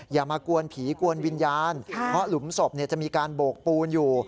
อย่ามากวนผีกวนวิญญาณเพราะหลุมศพจะมีการโบกปูนอยู่